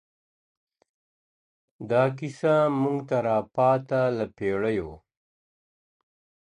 دا کیسه موږ ته را پاته له پېړیو.